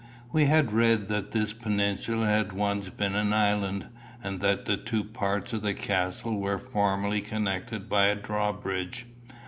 We had read that this peninsula had once been an island, and that the two parts of the castle were formerly connected by a drawbridge.